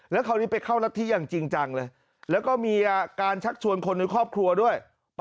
แล้วคราวนี้ไปเข้ารัฐที่อย่างจริงจังเลยแล้วก็มีอาการชักชวนคนในครอบครัวด้วย